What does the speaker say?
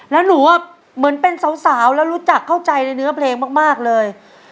แล้วหนูเหมือนเป็นสาวแล้วรู้จักเข้าใจในเนื้อเพลงมากเลย